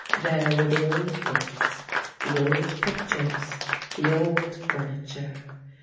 There were the old books, the old pictures, the old furniture.